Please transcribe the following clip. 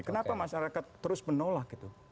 kenapa masyarakat terus menolak gitu